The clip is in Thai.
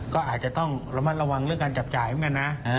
ก็อาจจะต้องระมัดระวังเรื่องการจับจ่ายเหมือนกันนะ